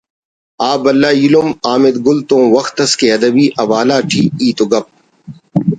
آ بھلا ایلم حامد گل تون وخت اس کہ ادبی حوالہ ٹی ہیت و گپ